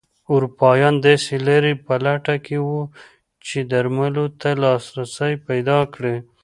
اروپایان داسې لارې په لټه کې وو چې درملو ته لاسرسی پیدا کړي.